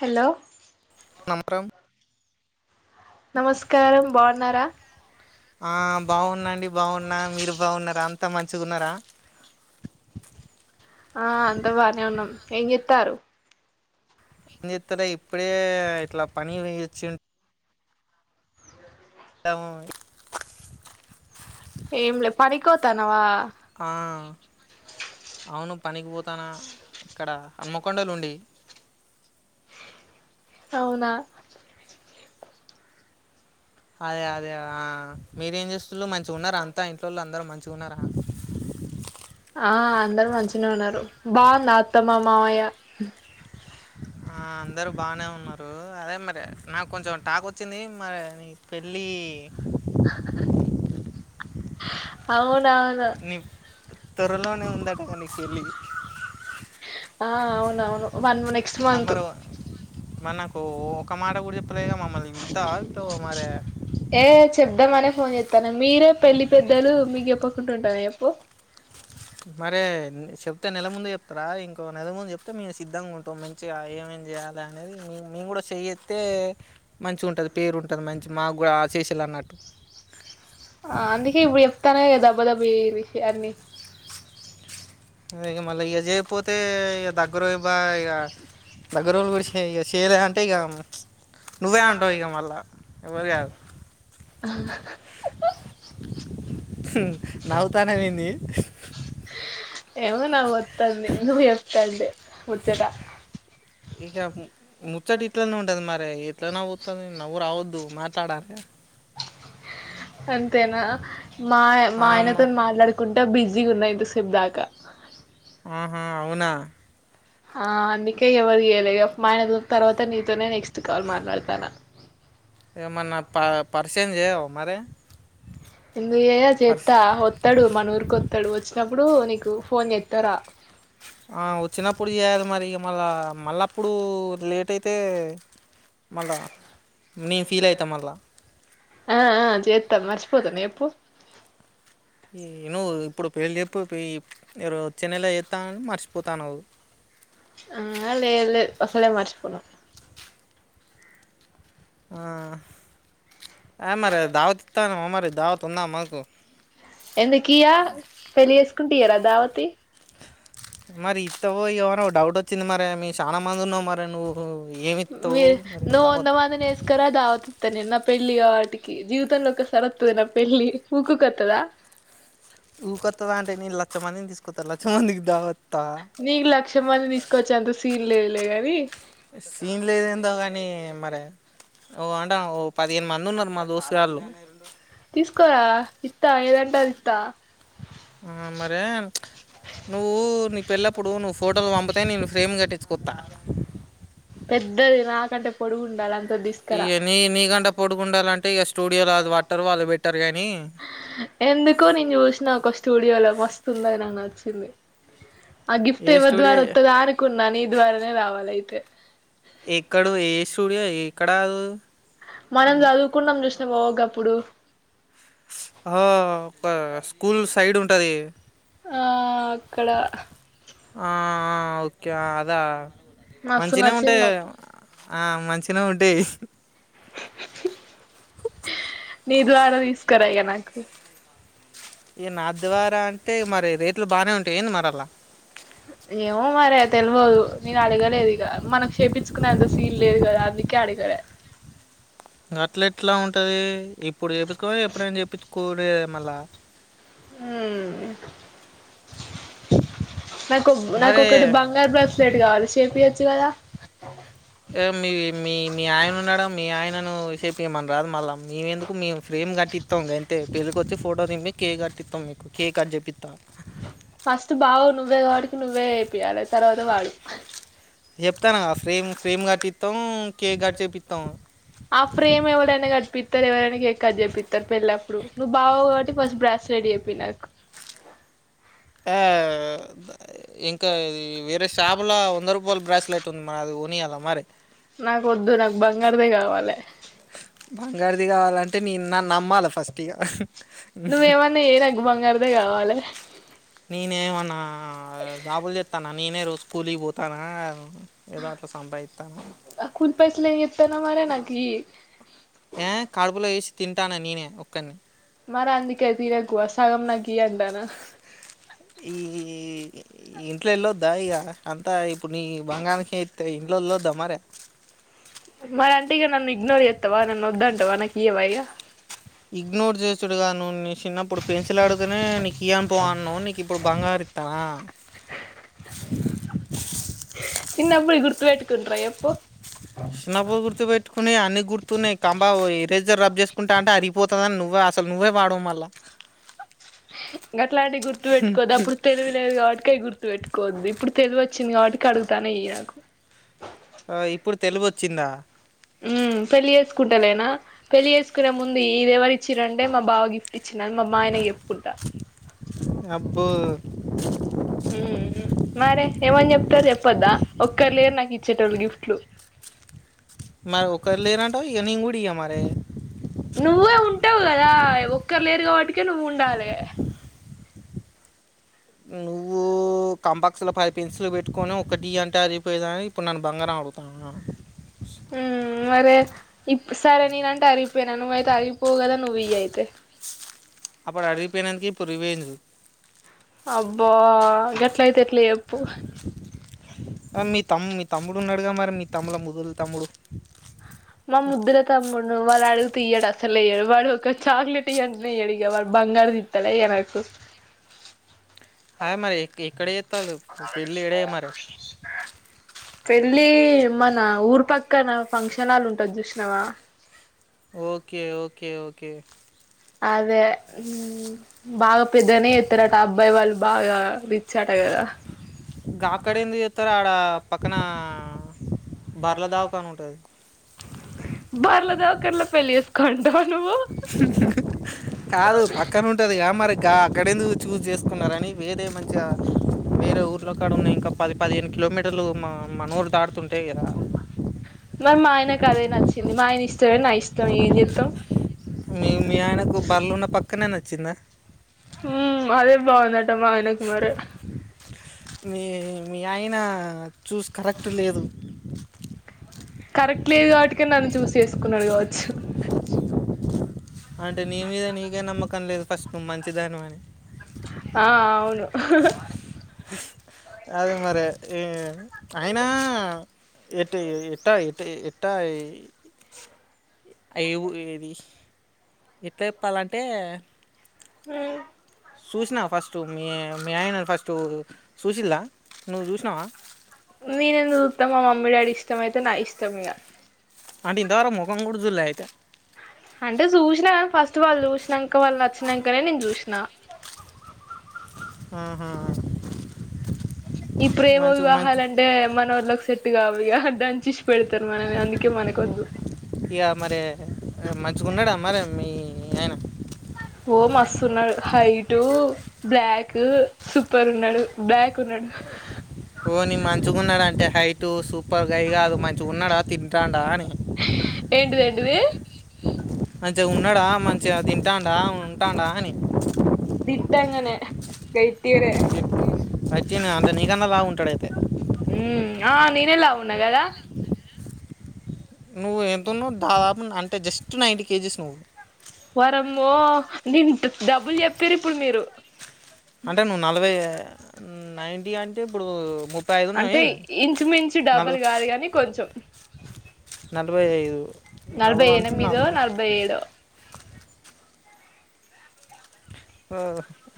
Hello Ram Ram నమస్కారం బోన్నారా ఆ బాఉన్నాండి బాఉన్నా మీరు బాఉన్నారా అంతా మంచిగున్నరా ఆ అంతా బానే ఉన్నాం ఏం జేత్తారు నిద్దుర ఇప్పుడే ఇట్లా పనికి పోయి వచ్చిండు. అమ్ ఏంలే పనికిపోతానవా ఆ అవును పనికిపోతాను ఇక్కడ హన్మకొండల ఉండి అవునా అదే అదే ఆ మీరేం చేస్తున్నారుు మంచిగా ఉన్నారా అంతా ఇంట్లో వాళ్ళు అందరుూ మంచిగా ఉన్నారా ఆ అందరు మంచినే ఉన్నారు బాగుంది అత్తమ్మ మామయ్య అందరూ బాగానే ఉన్నారు అదే మరి నాకు కొంచెం టాక్ వచ్చింది మరి నీ పెళ్ళి అవు నీ త్వరలోనే ఉందటటగా నీ పెళ్ళ ఆ అవునవును వన్ నెక్స్ట్ ఆ మంత్ మరి మనకు ఒక మాట కూడా చెప్పలేదుగా మమ్మల్ని వెళ్తా మరి ఏ చెప్దామనే ఫోన్ చెస్తున్న మీరే పెళ్లి పెద్దలు మీకుప్ప కుంటా చేప్ప అతే నెల ముందు చెప్తారా ఇంకో నెల ముందు చెప్తే మేము సిద్ధంగా ఉంటాం మంచిగా ఏమేం చేయాలి అనేది మేము కూడా చేస్తతే మంచి ఉంటది పేరు ఉంటుంది మంచి మాకు కూడా ఆ శిశులు అన్నట్టు ఆ అందుకే ఇప్పుడు చెప్తానా కదా దబ్బ దబ్బ చేయండి అన్ని ఇక మళ్ళీ ఇజయపోతే ఇక దగ్గర ఇ్వ ఇక దగ్గర వాళ్ళు కూడా చేయలే అంటే ఇక నువ్వేంఅంటావు ఇగ మళ్ళ అవ్వరు కాదు నవ్వుతానఏంది ఏమో నవ్వు వస్తుంది నువ్వు చెప్తాంటీ ముచ్చట ఇక ముచ్చట ఇట్లా నే ఉంటంది మరే ఇట్నా నవ్వుతోంది నవరువద్దుు మాట్లాడార అంతేనా మా మా ఆ అమ్మ ఆయనతో మాట్లాడుకుంటా ఎ బిజీగా ఉన్నాయి ఇంత సేపు దాకా ఆహా అవునా ఆ అందుకే ఎవరి చేయలే మాయన తర్వాత నీతోనే నెక్స్ట్ కాల్ మాట్లాడతాన అ ఏమన్నా ప పరిచయం చెయ్యవా మరే ఎందుకు అయా చేత్తా వత్తాడు మన ఊరుకి వత్తాడు వచ్చినప్పుడు నీకు ఫోన్ ఎత్తార వచ్చినప్పుడు చేయాలి మరి ఇక మళ్ళా మళ్ళప్పుడు లేట్ అయితే మళ్ళా నేను ఫీల్ అవుతా మళ్ళా ఆ ఆ చేతాను మర్చపోత నా చెప్పు ను్వు ఇప్పుడు పెళ్ళి చెప్పి ఒచ్చిన్నెల చేేస్తానుని మర్చిపోతాను ఆ లేదు లేదు అస్సలే మర్చిపోను ఆ అ మరి దావతి ఇస్తానావ మరి దావతు ఉందా మాకు ఎందుకు ఇయా పెళ్లి చేేసుకుంతే ఇయ్యరా దావతి మరి ఇస్టావో ఎయ్యవో డౌట్ వచ్చింది మరి మ చాలా మంది ఉన్నావు మరి నువ్వు ఏమి ఇస్తావు మరి మీరు దావత్ వందమంది నేస్కరా దావత తని పెళ్ళి కాబట్టి కి జీవితమల ఒక్కసారిక వస్తది పెళ్లి ఊకు వస్తద మ తీసుకోతారా చ మందికి దావ నీకు లక్ష్యమంది నీ తీసుకొచ్చి అంత సీన్ లేదు లే కాని సీన్ లేద ఏందో కాని మ ే ఓ అంట ఓ పదిహేను మంది ఉన్నారు మా దోస్తుగాళ్ళు తీసుకోరా ఇత్తా ఏదంట ఇత్తా ఆ మరే నువ్వు నీ పెళ్ల్లప్పుడు నువ్వు ఫోటోలు పంపితే నేను ఫ్రేమ్ కట్టి కొత పెద్దది నాకంటే పొడుగు ఉండాలి అంత తీసుకురా ఈయనీ నీ కంటే పొడుగుండాలంటే ఇగస్ ఎందుకు నీన్ జుస్నా ఒక స్టూడియోలో మస్త్ సుందగ్నా నచ్చింది ఆ గిఫ్ట్ ఏ ఎవ్వర్ స్టూడియో ద్వారా ఒత్తదా అనుకున్న నీ ద్వారానే రావాలి అయితే ఎక్కడో ఏ స్టూడియో ఎక్కడాదు మనం జదువుకున్నాం జుస్నవా ఒగప్పుడు అహో ఒక స్కూల్ సైడ్ ఉంటది ఆ అక్కడ ఆ ఓకే ఆ అదా మస్తు మంచినే నచ్చింది ఉంటాయి నాకు ఆ మంచినే ఉంటాయి మీ ద్వారా తీస్కరా ఇగ నాకు ఇగ నా ద్వారా అంటే మరి రేట్లు బానే ఉంటే ఏంది మర్ అలా ఏమో మనక్ శేపించుకునే అంత సీన్ లేదు గదా అందుకే అడగల్యా ఇంగ అట్ల ఎట్లా ఉంటదీ ఇప్పుడు చేపిచ్కొపోయినా ఎప్పుడైన్ జేపిచ్కోడే మళ్ళా ఊ నాక్ ఒగ్ నాక్ మరి ఒకటి బంగారు బ్రెస్లెట్ గావాలి చేపియచ్చు గదా ఏవ్ మీవి మీ మీ ఆయన ఉన్నాడా మీ ఆయన్ నేను శేపిమన్ రాదు మళ్ళ మీమ్ ఎందుకు మీమ్ ఫ్రేమ్ కట్టిత్తం గంతే పేజు కొచ్చి ఫోటో తింపి కేక్ కట్ టిత్తం మీకు కేక్ కట్జే పిత్తా ఫస్ట్ బావవి నువ్వే కాబ్బటికి నువ్వే ఏపియాలె తర్వాత వాడు జెప్తనా గదా ఫ్రేమ్ ఫ్రేమ్ కట్టిత్తం కేక్ గట్జే పిత్తం ఆ ఫ్రేమ్ ఎవడన్న కట్పితడ్ ఎవరన్న కేక్ కట్జే పితడ్ పెళ్ అప్పుడు నువ్వు బావవి కాబట్టి ఫస్ట్ బ్రాస్ లెట్ జేప్ పీ నాకు యా ద ఇంకా ఇది వేరే షాపులో వంద రూపాయల్ బ్రాస్లెట్ ఉంది మడ్ అది గొన్ నియాల మరి నాక్ ఒద్దు నాక్ బంగార్దే కావాలే బంగార్ది గావాలంటే నీన్ నన్ అమ్మాల ఫస్ట్ ఇగ నువ్ ఏమన్న జెయ్ నాక్ బంగార్దే గావాలే నీన్ ఏమన్న జాబులు జెతన్ నా నేనే రోజ్ కూలికి పోతానా ఏదో అట్ల సంపాయితానా ఆ కూల్ పైసల్ ఏం జేతన్నవ్ మరె నా కీ ఏ కడుపులో వేసి తింటానా నీనే ఒక్కన్ని మర అందుకే తినకు ఆ సగం నా కీ అంటనా ఈ ఇ ఇంట్లో ఎళ్ళొద్దా ఇగ అంతా ఇప్పుడ్ నీకి బంగానికె ఇత్తే ఇంట్లో ఒళ్ళొద్దా మరె మరి అంటే ఇగ నన్ను ఇగ్నోర్ జేత్తవా నన్ను ఒద్దంటవా నా కియ్యవా ఇగ ఇగ్నోర్ జేసుడుగా నువ్వు నీ చిన్నప్పుడు పెన్సిల్ అడుగునే నీ కియ్యన్ పో అన్నావ్ నీకు ఇప్పుడు బంగార్ ఇత్ తవా చిన్నబ్బుడువి గుర్తు బెట్కుంట్రా ఎప్పు చిన్నబ్బువి గుర్తు పెట్టుకునే అన్నీ గుర్తున్నాయి కంబ ఓర్ ఎరేజర్ రబ్ జేస్కుంటాంటే అరిగిపోతదన్ నువ్వా ఆస్ సల్ నువ్వె వాడవ్ మళ్ళా గట్లాంటివి గుర్తు పెట్టుకోద్ అప్పుడు తెలివి లేదు గావటికే అవి గుర్ తు ఎట్టుకోద్దు ఇప్పుడు తెలివి ఒచ్చింది కాబటికే అడుగుతాన ఈ నాకు చిందా ఊ పెళ్ళి జేసుకుంటలేేనా పెళ్ళి జేసుకునే ముందు ఇ ఇది ఎవర్ ఇచ్చిర్ అంటే మా బావ గిఫ్ ఇచ్చినడ్ మా మా ఆయనక్ జెప్కుంటా పో ఊ మరే ఏమన్ జెప్తరు జెప్పద్దా ఒక్కర్ లేరు నాకు ఇచ్చేటోళ్ళు గిఫ్ట్లు మా ఒక లేరాట న ఉడియ మరి నువ్వే ఉంటావు కదా ఒక్కరు లేరు కాబట్టికే నువ్వు ఉండాలి నువ్వు ప్పు కంబక్స్ లో పైవ పెన్సిల్ పెట్టుకొని ఒక డి అంటే అరిపోయిదని ఇప్పుడు ను బంగారం అడుతాను హ మరే ఇ సరే నేనంటే అరిగిపోయానా నువ్్వయితే అరిగిపోవు కదా నువ్వు ఇ అయితే అప్పుడు అడిగిపోయినక ఇప్పుడు ఇవేందు అబ్బో గట్ల అయితే ఎట్ల ఎప్పు మీ తమ్ మీ తమ్ముడు ఉన్నాడుగా మరి మీ తమ్ముల ముదులు తమ్ముడు మా ముద్రత మ వాళడి తియడు అసలు వయ్యడు వాడు ఒక చాక్లెట్ ఇంట నయ్యాడుగా వాడు బంగారు తిత్తాడుయ నాకు హాయ్ మరి ఎక్- ఎక్కడ చేస్తావు పెళ్ళి ఏడే మరి పళ్లి మన ఊరి పక్కన ఫంక్షన్లు ఉంటది చూసినావా ఓకే ఓకే ఓకే అదే బాగా పెద్దనే ఎత్తారట అబ్బాయి వాళ్ళు బాగా అట కదా అక్కడ ఎందు చెస్తారు ఆడ పక్కన బర్ల దావకాని ఉంటుంది బార్లో దావకలో పలిసుకోంట కాదు పక్కన ఉంటది ఏ మరి అక్కడ ఎందుకు చూజ్ చేసుకున్నారని వేరే మధ్య వేరే ఊర్లో కాడ ఉన్నయి ఇంకా పది పదిహేను కిలోమీటర్లు మా మా నూరు తాడుతుంటే కదా మా ఆయనకు అదే నచ్చింది మా ఆయన ఇష్టమే నా ఇష్టం ఏం చెతాం మీ మీ ఆయనకు బర్లున్న పక్కనే నచ్చిందా ఉ అదే బవందటమా అకు మరి మీ మీ ఆయన చూసి కరెక్ట్ లేదు కరెక్ట్ లేదు కాటికే నన్ను చూసి చేసుకున్నాడు కావచ్చు అంటే నీ మీద నీకే నమ్మకం లేదు ఫస్ట్ ను మంచిదాన అని ఆ అవును అదే మరి అయినా ఎ ఎట్ట ఎ టా అయివు ఏది ఎట్లా చెప్పాలంటే హ చూసినావా ఫస్ట్ మీ మీ ఆయన ఫస్ట్ చూసిిల్దా నువ్వు చూసినావా నేనెందుకుత్తామా మమ్మీ డాడీ ఇష్టమ అయితే నా ఇష్టం ఇక అంటే ఇంతవరకు ముఖం కూడా జుల్లే అయితే అంటే చూసినా ఫస్ట్ వాళ్ళు చూసినాక వాళ్ళు నచ్చినాకనే నేను చూసినా ఆ ఆ ఈ ప్రేమ వివాహాలంటే మనఊళలోకి సెట్టు కావాలిగా ఇచ్చి పెడతారు మనవి అందుకే మనకొద్దు ఇగ మరి మంచిగా ఉన్నాడా మరే మీ ఆయన ఓ మస్తున్నడు హైట్ హైటు బ్లాక్ సూపర్ ఉన్నాడు. బ్లాక్ ఉన్నాడు పోనీ మంచిగా ఉన్నాడు అంటే హైట్ సూపర్ గై కాదు మంచి చున్నాడా తింటాడా అని ఏంటిది ఏంటిది మంచిగా ఉన్నాడా మంచిగా తింటాడా ఉంటాడా అని దిట్టంగా నే గట్టిగానే వచ్చి అంత నీకన్నా బాగుంటాడు అయితే ఆ నీ నేను లవ్ వున్నా కదా నువ్వు ఎంతన్నావు దాదాపు అంటే జస్ట్ నైంటీ కేజీస్ నువ్వు అబ్బో నేన్ డబ్బల్ చెప్పారు ఇప్పుడు మీరు అంటే నువ్వు నలభై నైంటీ అంటే ఇప్పుడు ముప్పై ఐదు ఉన్నావు అంటే ఏంది ఇంచుమించు డబల్ నలభై కాదు కాని కొంచెం నలభై ఐదు నలభై ఎనిమిదో నలభై ఏడో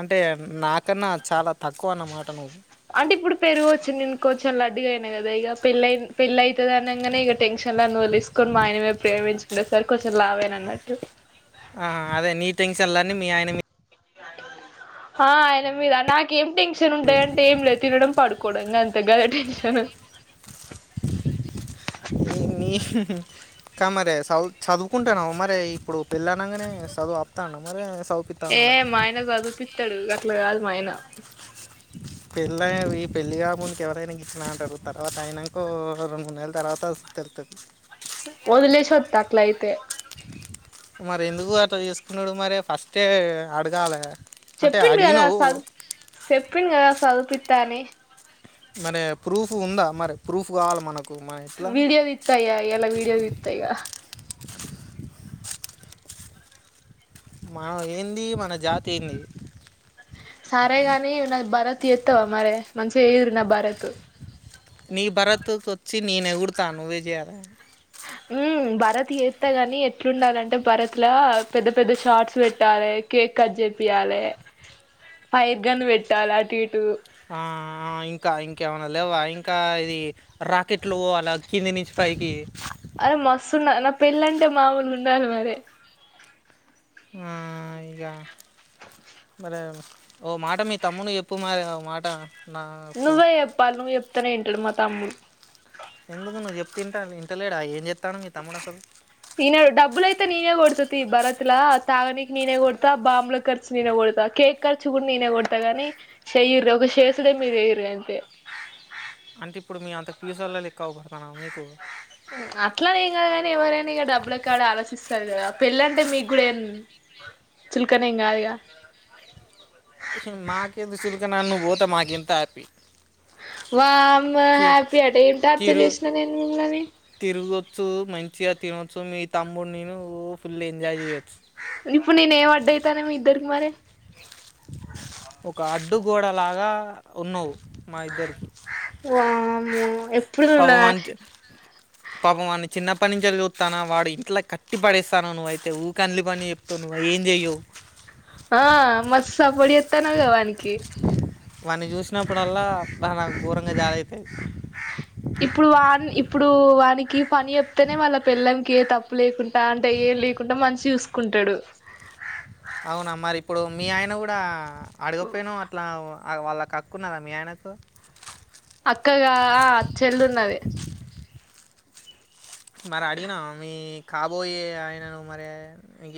అంటే నాకన్నా చాలా తక్కువ అన్నమాట నువ్వు అంటే ఇప్పుడు పెరుగు వచ్చు నేను కొంచెం కొంచెం లడ్డుగయినా కదా ఇక పెల్లై పెళ్ళి అయితడి అనగానే ఇక టెన్షన్లో వదిలేసుకొని ఆయనమే ప్రేమ పెంచు అంటే ఈసారి కొంచెం లావైన అన్నట్టు ఆ అదే నీ టెంక్షన్లళ్ళన్ని మీ ఆయన మీ ఆ అయన మీద నాకేం టెన్షన్ ఉంటాయి. అంటే ఏం లేదు తినడం పడుకోవడం గంతే గదే టెంక్షన్ ఏమి ఇంకా మరి చదువు చదువుకుంటాను మరే ఇప్పుడు పెళ్ళనంగానే చదువు ఆప్తన్నవ మరే ఏ మా ఆయన చదువుపిస్తాడు గట్లా కాదు మాయన పెళ్ళ అయిది పెళ్ళిగాక ముందుకి ఎవరైనా ఇట్లనే అంటారు. తర్వాత అయినా కో రెం మూడు నేల తర్వాత తరువాత తెలుస్తది వదిలేసి వస్త అట్లా అయితే మరి ఎందుకు అట్ల తీసుకున్నాడు మరి ఫస్టే అడగాలే చెప్పింది కదా సదువు చెప్పింది కదా చదువుపిత అని మరే ప్రూఫ్ ఉందా మరి ప్రూఫ్ కావాలి మనకు మన ఎట్లా వీడియో తీత్త ఇగ ఈయల వీడియో దిత్తా ఇకా మానం ఏంది మన జాతి ఏంది సరే గాని నా భరత్ ఎత్తావా మరే మంచిగా చేయ్యూర్రి నా భరత్ నీ భరత్కు వచ్చి నేను ఎగుడతా నువ్వే జేయాల ఉ భరత్ చేస్తా గని ఎట్లుండాలింటే భరత్ లో పెద్ద పెద్ద షార్ట్స్ పెట్టాలే కేక్ కట్ చేపియలే పై గన్ వెట్టాలే అటు ఇట్ ఆ ఆ ఇంకా ఇంకేమనా లేవా ఇంకా ఇది రాకెట్లు పోవాల కింది నుంచి పైకి అరే మస్తున్న నా పెళ్ళంటే మాములు ఉండాలి మరి ఆ ఇగ మరి ఓ మాట మీ తమ్మునికి చెప్పు మరి మాట నా నువ్వే చెప్పాలి నువ్వు చెప్తానే వింటాడు మా తమ్ముడు ఎందుకు నువ్వు చెప్తే ఇంట ఇంటలేడా ఏం చె ఇనడు డబ్బులు అయితే నినే కొడతతి భరత్ ఇలా తాగనీకి నేనే కొడతా బాంబుల ఖర్చు నినే కొడతా కేక్ ఖర్చు కూడా నేనే కొడతా గాని శె వెయర్ర ఒక శేసుడే మీరు వెయ్యూర్రి అంతే అంటే ఇప్పుడు మీ అంత పీజలలో లెక్క అవు పడుతున్నా మీకు అట్లనేం కాదు గానీ ఎవరైనా ఇక డబ్బుల కాడ ఆలోచిస్తారు కదా పెళ్ళి అంటే మీకు కూడా ఏం చుల్కనేం కాదుగా మాకే ద చిలుక నన్ను పోత మాకెంత హ్యాపీ వామ్ హ్యాపీ అట ఏంట అర్థ తిరు చేసినా నేను మిమ్ల్ని తిరగొచ్చు మంచిగా తినొచ్చు మీ తమ్ముడి నేను ఫుల్ ఎంజాయ్ చేయ్యొచ్చు ఇప్పుడు నేనే ఏం అడ్డయితానే మీ ఇద్దరికి మరి ఒక అడ్డుగోడలాగా ఉన్నావు మా ఇద్దరికి వామ్మో పవన్త్ అ పాపం వాడిని చిన్నప్పటి నుంచి చూతన్న వాడు ఇంట్లో కట్టి పడేస్తన్నావు నువ్వు అయితే ఊక అన్ని పనులు చెప్తావు నువ్వు ఏ జెయ్యవు ఆ మస్తు సపోర్ట్ చేస్తాన్నవ్ గా వానికి వాని చూసినప్పుడల్లా అబ్బా నాకు ఘోరంగ జాలి అయితది ఇప్పుడు వా ఇప్పుడు వానికి పని చెప్తేనే వాళ్ళ పెళ్ళాం కి ఏ తప్పు లేకుండా అంటే ఏం లేకుండా మంచిగ చూసుకుంటడు అవునా మరి ఇప్పుడు మీ ఆయన కూడా అడగపోయినవు అట్లా అగో వాళ్లకు అక్కున్నదా మీ ఆయనకు అక్కగా ఆ చెల్లున్నది మరి అడిగినవా మీ కాబోయే అయనను మరి ఇ